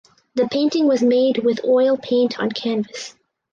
The painting was made with oil paint on canvas.